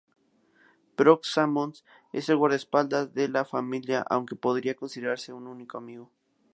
Brock Samson es el guardaespaldas de la familia aunque podría considerarse su único amigo.